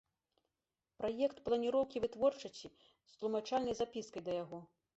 Праект планiроўкi вытворчасцi з тлумачальнай запiскай да яго.